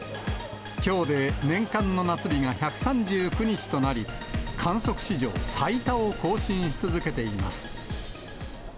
きょうで年間の夏日が１３９日となり、観測史上最多を更新し続けています。